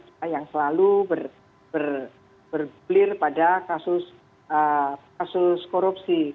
kita yang selalu berbelir pada kasus korupsi